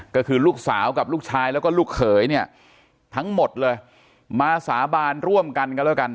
ก็คือลูกสาวกับลูกชายแล้วก็ลูกเขยเนี่ยทั้งหมดเลยมาสาบานร่วมกันกันแล้วกัน